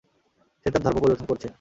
সে তার ধর্ম পরিবর্তন করছে।